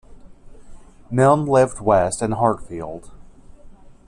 Milne lived west in Hartfield.